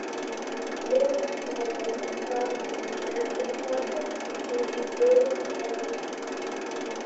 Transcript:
ظلم، محبت، احساس، محض اسما ہیں جن کا کوئی مسمی نہیں؟